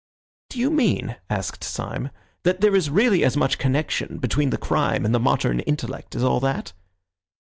"Do you mean," asked Syme, "that there is really as much connection between crime and the modern intellect as all that?"